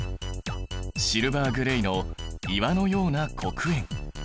シルバーグレーの岩のような黒鉛。